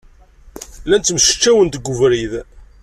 Llan ttemceččawen deg webrid.